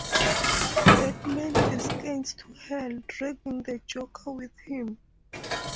Batman descends to Hell, dragging the Joker with him.